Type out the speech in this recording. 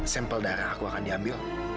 sampel darah aku akan diambil